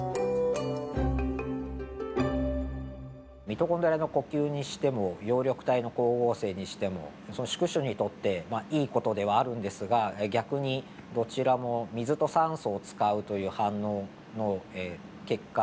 ミトコンドリアの呼吸にしても葉緑体の光合成にしてもその宿主にとってまあいい事ではあるんですが逆にどちらも水と酸素を使うという反応の結果